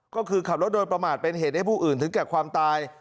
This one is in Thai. ก็คือขับรถโดยประมาทเป็นเหตุให้ผู้อื่นถึงแก่ความตาย